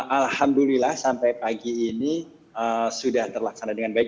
alhamdulillah sampai pagi ini sudah terlaksana dengan baik